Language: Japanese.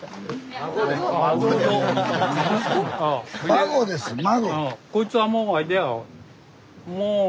孫です孫。